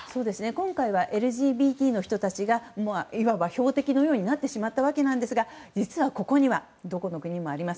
今回はＬＧＢＴの人たちがいわば標的のようになってしまったわけですが実はここにどの国にもあります